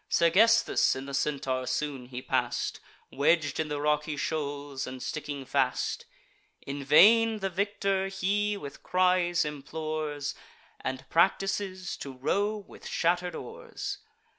Sergesthus in the Centaur soon he pass'd, Wedg'd in the rocky shoals, and sticking fast. In vain the victor he with cries implores, And practices to row with shatter'd oars.